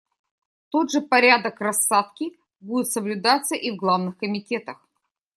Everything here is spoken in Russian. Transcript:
Тот же порядок рассадки будет соблюдаться и в главных комитетах.